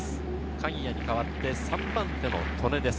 鍵谷に代わって３番手の戸根です。